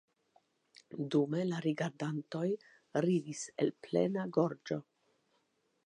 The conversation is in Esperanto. Dume la rigardantoj ridis el plena gorĝo.